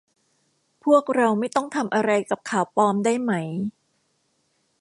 พวกเราไม่ต้องทำอะไรกับข่าวปลอมได้ไหม